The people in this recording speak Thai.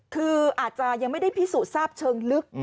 คืออาจจะยังไม่ได้พิสูจน์ทราบเชิงลึก